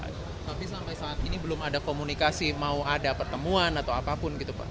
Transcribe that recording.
tapi sampai saat ini belum ada komunikasi mau ada pertemuan atau apapun gitu pak